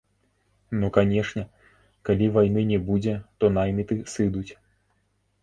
Ну канечне, калі вайны не будзе, то найміты сыдуць.